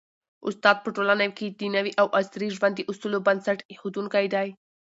استاد په ټولنه کي د نوي او عصري ژوند د اصولو بنسټ ایښودونکی دی.